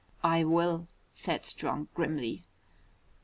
"I will," said Strong grimly.